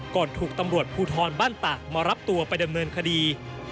ก่อนถูกตำรวจภูทรบ้านตากมารับตัวไปดำเนินคดี